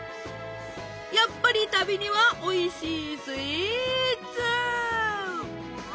やっぱり旅にはおいしいスイーツ！